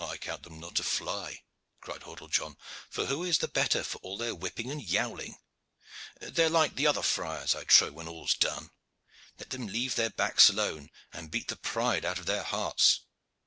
"I count them not a fly," cried Hordle John; "for who is the better for all their whipping and yowling? They are like other friars, I trow, when all is done. Let them leave their backs alone, and beat the pride out of their hearts."